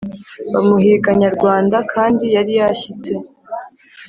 Bamuhiga Nyarwanda!kandi yari yashyitse